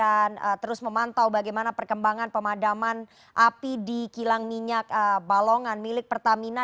kita akan terus memantau bagaimana perkembangan pemadaman api di kilang minyak balongan milik pertamina